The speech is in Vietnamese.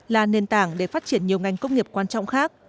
là nền tảng để phát triển nhiều ngành công nghiệp quan trọng khác